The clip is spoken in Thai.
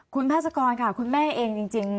คุณพาสกรค่ะคุณแม่เองจริง